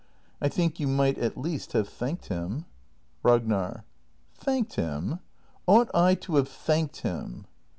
] I think you might at least have thanked him. Ragnar. Thanked him ? Ought I to have thanked him?